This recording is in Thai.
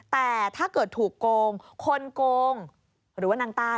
แต่ถ้าเกิดถูกโกงคนโกงหรือว่านางต้า